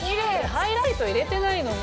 ハイライト入れてないのに。